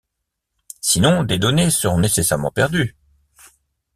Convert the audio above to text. Sinon, des données seront nécessairement perdues.